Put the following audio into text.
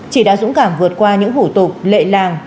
chị đã dũng cảm vượt qua những hủ tục lệ làng